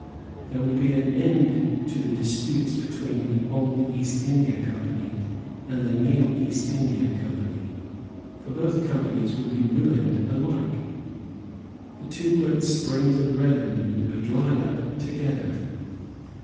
There would be an end to the disputes between the old East India Company and the new East India Company; for both Companies would be ruined alike. The two great springs of revenue would be dried up together.